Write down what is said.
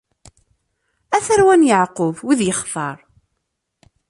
A tarwa n Yeɛqub, wid yextar!